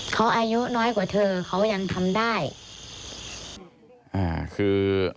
เขาอายุน้อยกว่าเธอเขายังทำได้อ่าคือ